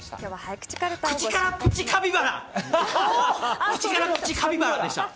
口からプチカピバラ。